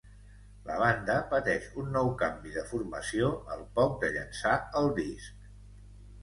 La banda pateix un nou canvi de formació al poc de llençar el disc.